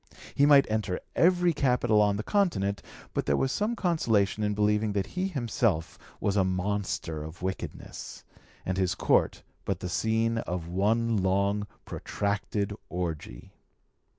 He might enter every capital on the Continent, but there was some consolation in believing that he himself was a monster of wickedness, and his Court but the scene of one long protracted orgie.